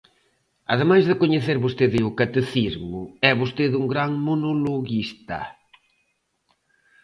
Ademais de coñecer vostede o catecismo, é vostede un gran monologuista.